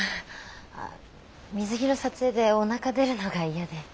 水着の撮影でおなか出るのが嫌で。